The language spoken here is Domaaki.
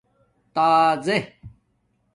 تازے